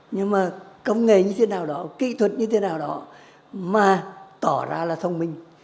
nhưng mà công nghệ như thế nào đó kỹ thuật như thế nào đó mà tỏ ra là thông minh